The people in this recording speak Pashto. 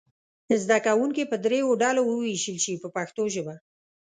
زده کوونکي به دریو ډلو وویشل شي په پښتو ژبه.